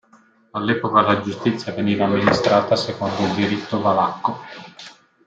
All'epoca la giustizia veniva amministrata secondo il diritto valacco.